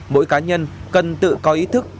mỗi cá nhân cần tự có ý thức